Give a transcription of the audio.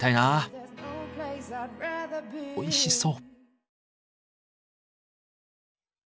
おいしそ！